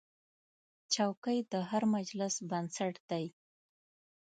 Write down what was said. چوکۍ د هر مجلس بنسټ دی.